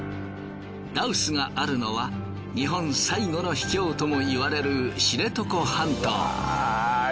羅臼があるのは日本最後の秘境ともいわれる知床半島。